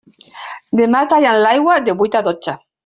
Demà tallen l'aigua de vuit a dotze.